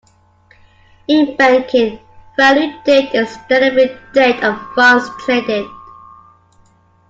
In banking, value date is the delivery date of funds traded.